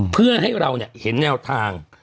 เพื่อให้เราเห็นแนวทาง